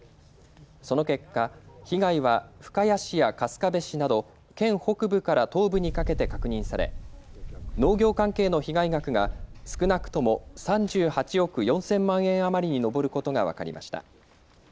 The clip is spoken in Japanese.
その結果、被害は深谷市や春日部市など県北部から東部にかけて確認され農業関係の被害額が少なくとも３８億４０００万円余りに上ることが分かりました。